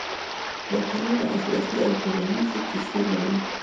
متلونه اخلاقي او ټولنیزې کیسې لري